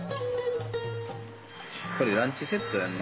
これランチセットやんな？